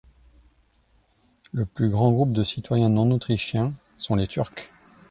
Le plus grand groupe de citoyens non-autrichiens sont les Turcs.